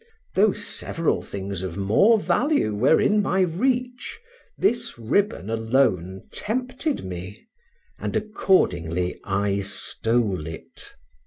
Though several things of more value were in my reach, this ribbon alone tempted me, and accordingly I stole it.